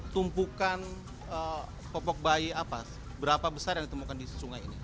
tumpukan popok bayi apa berapa besar yang ditemukan di sungai ini